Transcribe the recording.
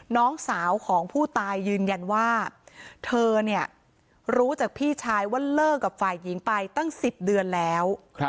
น้องสาวของผู้ตายยืนยันว่าเธอเนี่ยรู้จากพี่ชายว่าเลิกกับฝ่ายหญิงไปตั้ง๑๐เดือนแล้ว